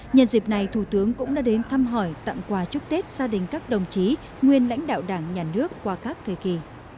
nhân dịp này thủ tướng cũng đã đến thăm hỏi tặng quà chúc tết gia đình các đồng chí nguyên lãnh đạo đảng nhà nước qua các thời kỳ